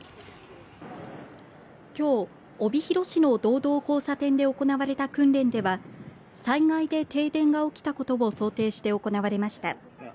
きょう、帯広市の道道交差点で行われた訓練では災害で停電が起きたことを想定して行われました。